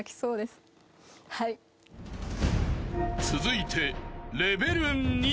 ［続いて］